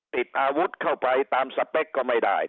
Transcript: ติดอาวุธเข้าไปตามสเปคก็ไม่ได้